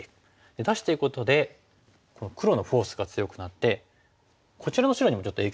出してることでこの黒のフォースが強くなってこちらの白にもちょっと影響力ないですか？